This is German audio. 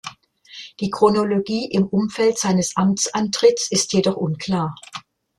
Die Chronologie im Umfeld seines Amtsantritts ist jedoch unklar.